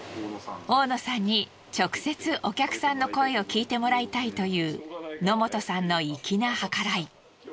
大野さんに直接お客さんの声を聞いてもらいたいという野本さんの粋な計らい。